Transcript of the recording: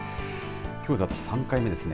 きょうが３回目ですね。